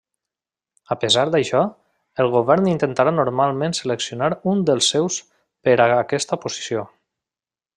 A pesar d'això, el govern intentarà normalment seleccionar un dels seus per a aquesta posició.